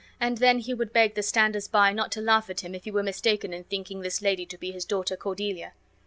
And then he would beg the standers by not to laugh at him if he were mistaken in thinking this lady to be his daughter Cordelia!